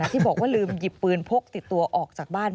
ที่บอกว่าลืมหยิบปืนพกติดตัวออกจากบ้าน